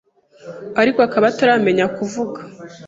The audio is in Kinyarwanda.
ariko akaba ataramenya kuvuga